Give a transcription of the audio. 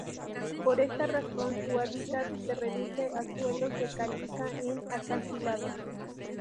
Por esta razón su hábitat se reduce a suelos de caliza en acantilados.